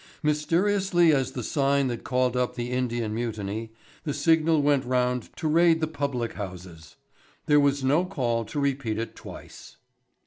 Mysteriously as the sign that called up the Indian Mutiny, the signal went round to raid the public houses. There was no call to repeat it twice.